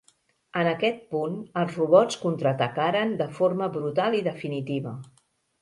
En aquest punt, els robots contraatacaren de forma brutal i definitiva.